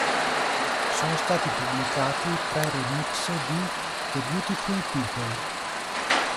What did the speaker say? Sono stati pubblicati tre remix di "The Beautiful People".